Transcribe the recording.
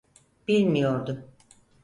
Bilmiyordu.